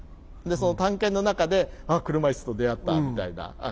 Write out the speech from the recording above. でその探検の中で「あっ車いすと出会った」みたいな。